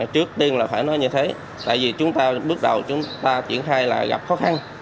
trước tiên là phải nói như thế tại vì chúng ta bước đầu chúng ta triển khai là gặp khó khăn